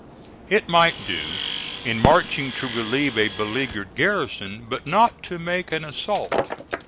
It might do in marching to relieve a beleaguered garrison, but not to make an assault.